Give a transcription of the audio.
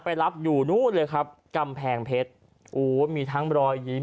รับอยู่นู้นเลยครับกำแพงเพชรโอ้มีทั้งรอยยิ้ม